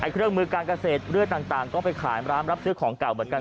เครื่องมือการเกษตรเลือดต่างก็ไปขายร้านรับซื้อของเก่าเหมือนกัน